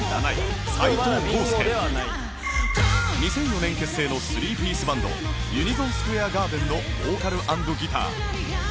２００４年結成のスリーピースバンド ＵＮＩＳＯＮＳＱＵＡＲＥＧＡＲＤＥＮ のボーカル＆ギター